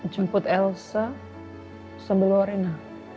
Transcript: jemput elsa sebelum rena